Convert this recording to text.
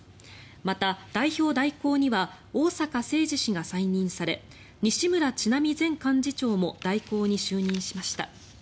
また代表代行には逢坂誠二氏が再任され西村智奈美前幹事長も代行に就任しました。